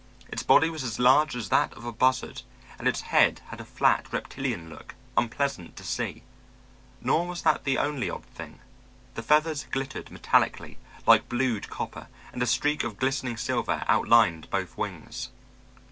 Its body was as large as that of a buzzard, and its head had a flat, reptilian look, unpleasant to see. Nor was that the only odd thing. The feathers glittered metallically, like blued copper, and a streak of glistening silver outlined both wings.